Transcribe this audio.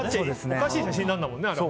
おかしい写真なんだもんね。